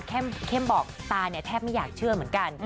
เข้มบอกตาเนี่ยแทบไม่อยากเชื่อเหมือนกัน